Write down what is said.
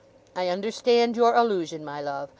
I understand your allusion, my love.